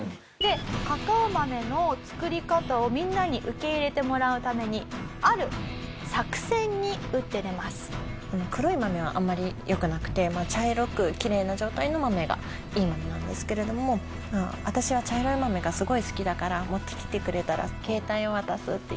カカオ豆の作り方をみんなに受け入れてもらうために黒い豆はあんまり良くなくて茶色くきれいな状態の豆がいい豆なんですけれども「私は茶色い豆がすごい好きだから持ってきてくれたら携帯を渡す」って言って。